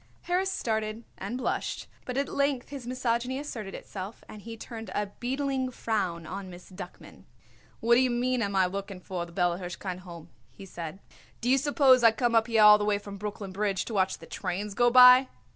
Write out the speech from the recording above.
Harris started and blushed, but at length his misogyny asserted itself and he turned a beetling frown on Miss Duckman. "What d'ye mean, am I looking for the Bella Hirshkind Home?" he said. "Do you suppose I come up here all the way from Brooklyn Bridge to watch the trains go by?"